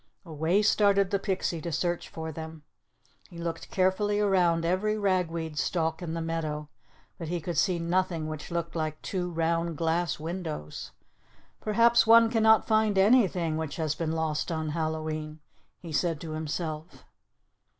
Away started the pixie to search for them. He looked carefully around every ragweed stalk in the meadow, but he could see nothing which looked like "two round glass windows." "Perhaps one cannot find anything which has been lost on Hallowe'en," he said to himself.